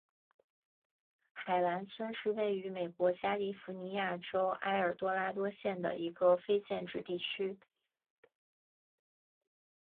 海兰村是位于美国加利福尼亚州埃尔多拉多县的一个非建制地区。